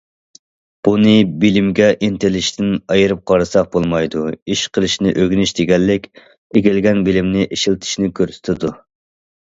بۇنى بىلىمگە ئىنتىلىشتىن ئايرىپ قارىساق بولمايدۇ، ئىش قىلىشنى ئۆگىنىش دېگەنلىك ئىگىلىگەن بىلىمنى ئىشلىتىشنى كۆرسىتىدۇ.